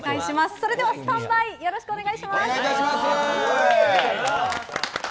それではスタンバイよろしくお願いします。